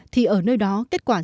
thì ở nơi đó kết quả giảm